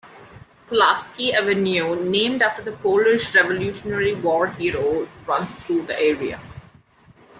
Pulaski Avenue, named after the Polish Revolutionary War hero, runs through the area.